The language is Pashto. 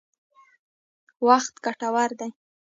وخت ګټور دی.